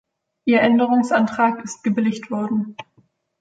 Ihr Änderungsantrag ist gebilligt worden.